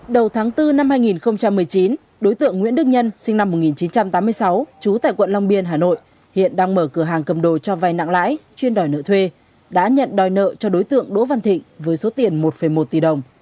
đầu tháng bốn năm hai nghìn một mươi chín đối tượng nguyễn đức nhân sinh năm một nghìn chín trăm tám mươi sáu trú tại quận long biên hà nội hiện đang mở cửa hàng cầm đồ cho vai nặng lãi chuyên đòi nợ thuê đã nhận đòi nợ cho đối tượng đỗ văn thịnh với số tiền một một tỷ đồng